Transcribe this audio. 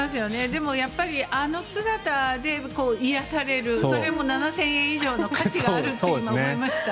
でもやっぱりあの姿で癒やされるそれも７０００円以上の価値があると思いました。